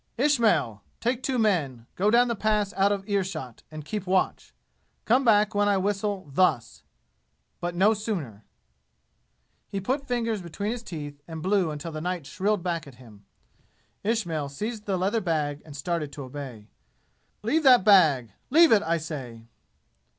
"Ismail! Take two men. Go down the Pass out of ear shot, and keep watch! Come back when I whistle thus but no sooner!" He put fingers between his teeth and blew until the night shrilled back at him. Ismail seized the leather bag and started to obey. "Leave that bag. Leave it, I say!"